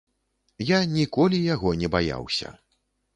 Я ніколі яго не баяўся.